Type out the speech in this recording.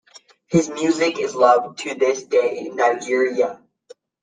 His music is loved to this day in Nigeria.